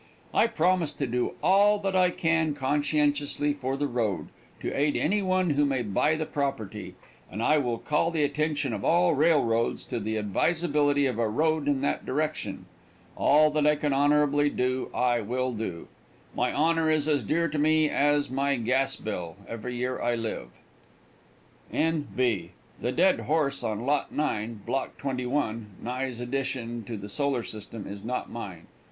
I promise to do all that I can conscientiously for the road, to aid any one who may buy the property, and I will call the attention of all railroads to the advisability of a road in that direction. All that I can honorably do, I will do. My honor is as dear to me as my gas bill every year I live. N. B. The dead horse on lot 9, block 21, Nye's Addition to the Solar System, is not mine.